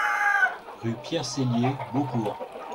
Rue Pierre Sellier, Beaucourt